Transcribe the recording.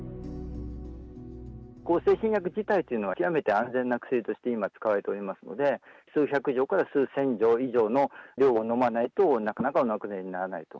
向精神薬自体というのは、極めて安全な薬として今、使われておりますので、数百錠から数千錠以上の量を飲まないとなかなかお亡くなりにならないと。